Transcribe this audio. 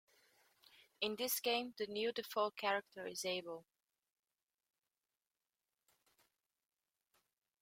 In this game, the new default character is Abel.